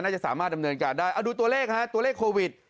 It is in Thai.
จะสามารถดำเนินการได้ดูตัวเลขฮะตัวเลขโควิด